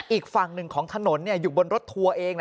อีกฝั่งหนึ่งของถนนอยู่บนรถทัวร์เอง